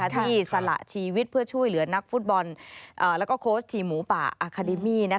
ที่สละชีวิตเพื่อช่วยเหลือนักฟุตบอลแล้วก็โค้ชทีมหมูป่าอาคาเดมี่